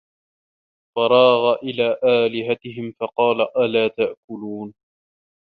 فَراغَ إِلى آلِهَتِهِم فَقالَ أَلا تَأكُلونَ